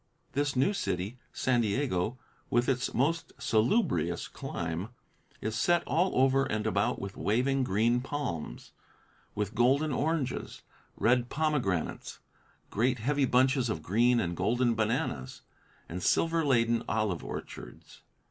This new city, San Diego, with its most salubrious clime, is set all over and about with waving green palms, with golden oranges, red pomegranates, great heavy bunches of green and golden bananas, and silver laden olive orchards.